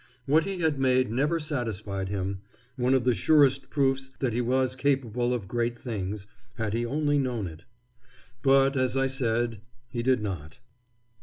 What he had made never satisfied him one of the surest proofs that he was capable of great things, had he only known it. But, as I said, he did not.